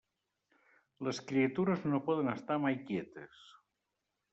Les criatures no poden estar mai quietes.